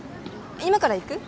今から行く？